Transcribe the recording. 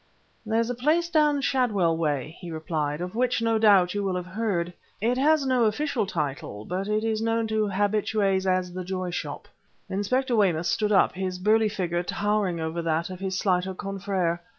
"There's a place down Shadwell way," he replied, "of which, no doubt, you will have heard; it has no official title, but it is known to habitués as the Joy Shop...." Inspector Weymouth stood up, his burly figure towering over that of his slighter confrère.